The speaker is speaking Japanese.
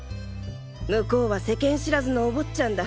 向こうは世間知らずのお坊っちゃんだ。